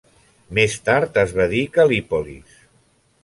Més tard es va dir Cal·lípolis.